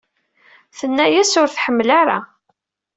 Tenna-yas ur t-tḥemmel ara.